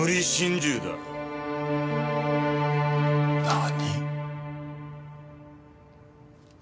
何？